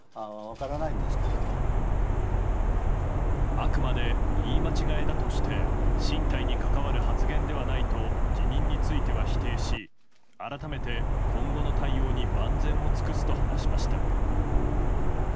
あくまで言い間違えだとして進退に関わる発言ではないと辞任については否定し改めて今後の対応に万全を尽くすと話しました。